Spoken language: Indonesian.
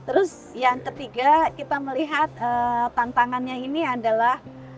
terus yang ketiga kita melihat tantangannya ini adalah